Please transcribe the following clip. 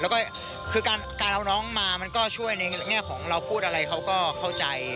แล้วก็คือการเอาน้องมามันก็ช่วยในแง่ของเราพูดอะไรเขาก็เข้าใจ